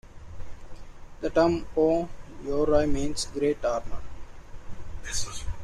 The term "ō-yoroi" means "great armor.